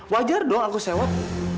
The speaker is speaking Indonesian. wajar dong aku sewap